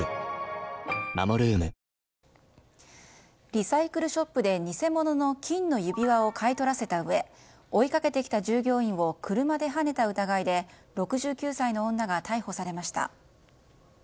リサイクルショップで偽物の金の指輪を買い取らせたうえ追いかけてきた従業員を車で、はねた疑いで６９歳の女が逮捕されました。